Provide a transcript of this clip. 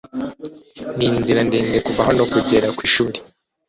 Ninzira ndende kuva hano kugera kwishuri